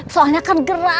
soalnya akan gerah